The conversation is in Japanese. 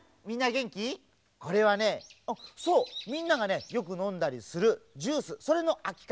みんながねよくのんだりするジュースそれのあきかん。